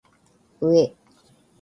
うぇ